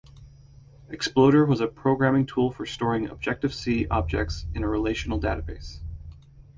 Exploder was a programming tool for storing Objective-C objects in a Relational database.